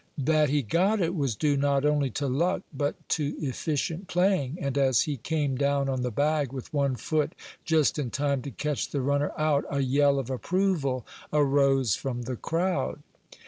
That he got it was due not only to luck, but to efficient playing, and as he came down on the bag with one foot just in time to catch the runner out, a yell of approval arose from the crowd.